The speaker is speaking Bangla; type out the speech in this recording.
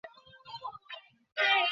ভয় হচ্ছে, এখন আবার কী গল্প যে শুরু করেন।